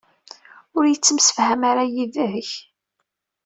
Ur yettemsefham ara yid-k?